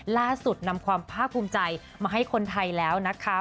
ล่าสุดนำความภาคภูมิใจมาให้คนไทยแล้วนะคะ